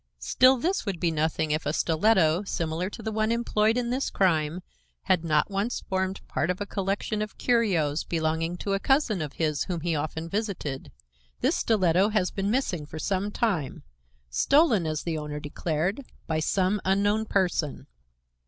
Still this would be nothing if a stiletto similar to the one employed in this crime had not once formed part of a collection of curios belonging to a cousin of his whom he often visited. This stiletto has been missing for some time, stolen, as the owner declared, by some unknown person.